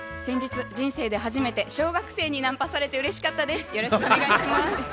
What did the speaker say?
先日人生で初めて小学生にナンパされてうれしかったです。